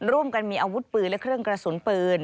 ร่วมกันมีอาวุธปืนและเครื่องกระสุนปืน